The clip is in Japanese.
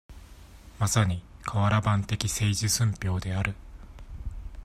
まさに、かわら版的政治寸評である。